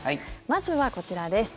まずは、こちらです。